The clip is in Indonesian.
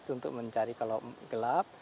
untuk mencari kalau gelap